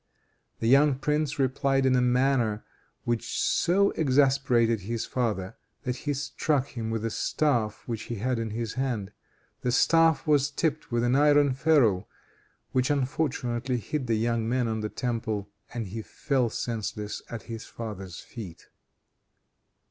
The young prince replied in a manner which so exasperated his father, that he struck him with a staff which he had in his hand. The staff was tipped with an iron ferule which unfortunately hit the young man on the temple, and he fell senseless at his father's feet.